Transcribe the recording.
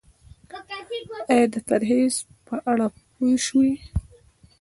ایا د پرهیز په اړه پوه شوئ؟